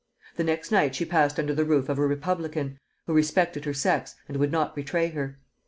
The next night she passed under the roof of a republican, who respected her sex and would not betray her.